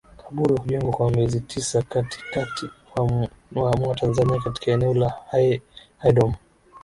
Kaburi hujengwa kwa miezi tisa Katikati mwa Tanzania katika eneo la Hydom